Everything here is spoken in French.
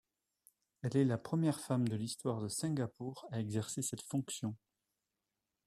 Elle est la première femme de l'histoire de Singapour à exercer cette fonction.